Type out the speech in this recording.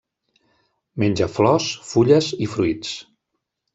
Menja flors, fulles i fruits.